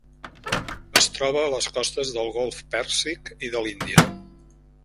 Es troba a les costes del Golf Pèrsic i de l'Índia.